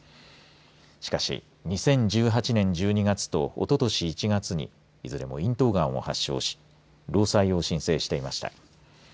しかし、２０１８年１２月とおととし１月にいずれも咽頭がんを発症し労災を申請していました。